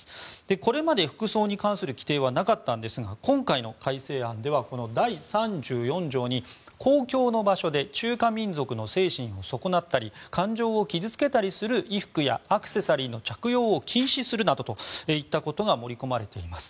これまで服装に関する規定はなかったんですが今回の改正案では第３４条に公共の場所で中華民族の精神を損なったり感情を傷付けたりする衣服やアクセサリーの着用を禁止するなどといったことが盛り込まれています。